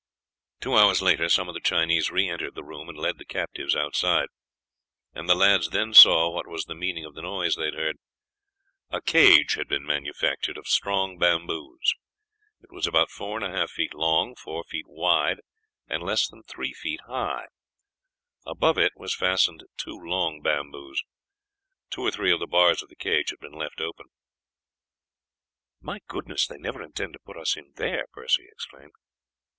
Two hours later some of the Chinese re entered the room and led the captives outside, and the lads then saw what was the meaning of the noise they had heard. A cage had been manufactured of strong bamboos. It was about four and a half feet long, four feet wide, and less than three feet high; above it was fastened two long bamboos. Two or three of the bars of the cage had been left open. "My goodness! they never intend to put us in there," Percy exclaimed.